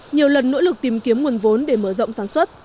nhiều lần nỗ lực tìm kiếm nguồn vốn để mở rộng sản xuất